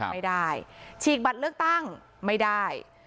ไม่ได้ฉีกบัตรเลือกตั้งไม่ได้